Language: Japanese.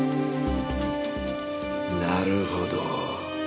なるほど。